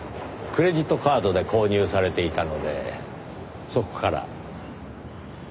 クレジットカードで購入されていたのでそこから。